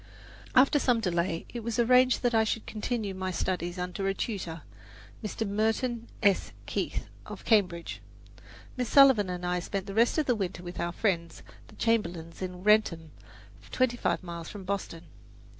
After some delay it was arranged that I should continue my studies under a tutor, Mr. Merton S. Keith, of Cambridge. Miss Sullivan and I spent the rest of the winter with our friends, the Chamberlins in Wrentham, twenty five miles from Boston.